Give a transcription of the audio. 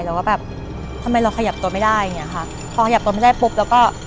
แต่ว่าแบบทำไมเราขยับตัวไม่ได้อย่างเงี้ยค่ะพอขยับตัวไม่ได้ปุ๊บแล้วก็